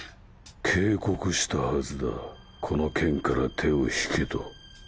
警告したはずだこの件から手を引けと。